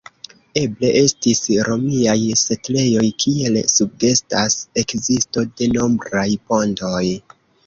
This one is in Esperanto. Eble estis romiaj setlejoj, kiel sugestas ekzisto de nombraj pontoj.